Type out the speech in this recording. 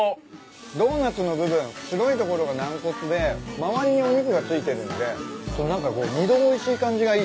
ドーナツの部分白い所が軟骨で周りにお肉が付いてるんで何かこう二度おいしい感じがいいっすね。